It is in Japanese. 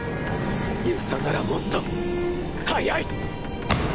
遊佐ならもっと早い！